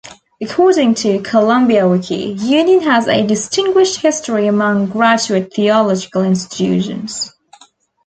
According to Columbia Wiki, Union has a distinguished history among graduate theological institutions.